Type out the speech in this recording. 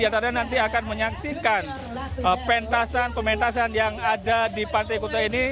tepatnya di kawasan kuta